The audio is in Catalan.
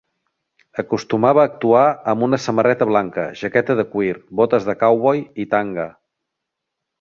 Acostumava a actuar amb una samarreta blanca, jaqueta de cuir, botes de cowboy i tanga.